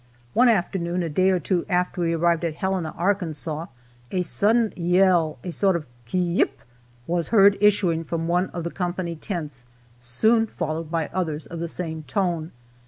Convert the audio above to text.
One afternoon, a day or two after we arrived at Helena, Arkansas, a sudden yell, a sort of "ki yip!" was heard issuing from one of the company tents, soon followed by others of the same tone.